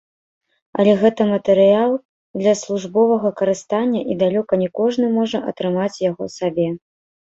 Але гэта матэрыял для службовага карыстання і далёка не кожны можа атрымаць яго сабе.